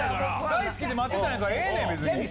大好きで待ってたんやから、ええねん、別に。